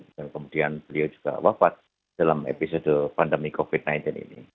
dan kemudian beliau juga wafat dalam episode pandemi covid sembilan belas ini